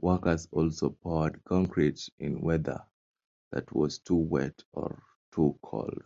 Workers also poured concrete in weather that was too wet or too cold.